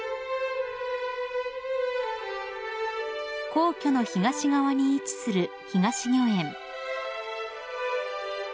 ［皇居の東側に位置する東御苑］